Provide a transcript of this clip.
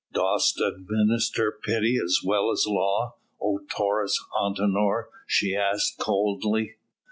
"Dost administer pity as well as law, O Taurus Antinor?" she asked coldly.